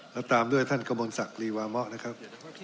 แล้วตามด้วยท่านกระมวลศักดิวามะนะครับ